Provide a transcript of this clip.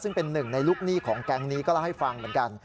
ซึ่งเป็นหนึ่งในลูกหนี้ของแก๊งนี้ก็เล่าให้ฟังเหมือนกัน